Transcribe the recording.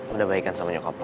udah baikan sama nyokap lu